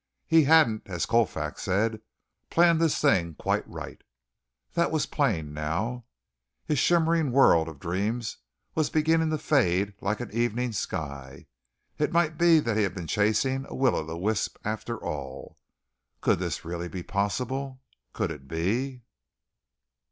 He hadn't, as Colfax said, planned this thing quite right. That was plain now. His shimmering world of dreams was beginning to fade like an evening sky. It might be that he had been chasing a will o' the wisp, after all. Could this really be possible? Could it be?